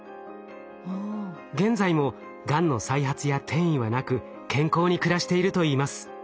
現在もがんの再発や転移はなく健康に暮らしているといいます。